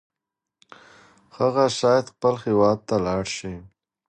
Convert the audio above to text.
هغه شاید خپل هیواد ته لاړ شي.